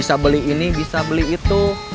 kalian kena lihat